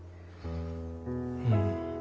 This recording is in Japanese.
うん。